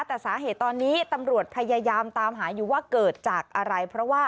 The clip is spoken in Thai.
แต่สาเหตุตอนนี้ตำรวจพยายามตามหาอยู่ว่าเกิดจากอะไรเพราะว่า